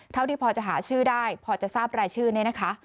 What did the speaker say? เท่าที่พอจะหาชื่อได้พอจะทราบรายชื่อเนี่ยนะคะ